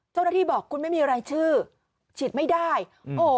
เจ้าหน้าที่บอกคุณไม่มีรายชื่อฉีดไม่ได้โอ้โห